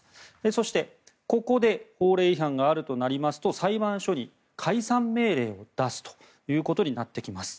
そして、ここで法令違反があるとなりますと裁判所に解散命令を出すということになってきます。